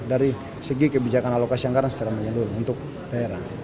dari segi kebijakan alokasi anggaran secara menyeluruh untuk daerah